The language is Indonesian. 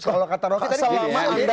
kalau kata roky tadi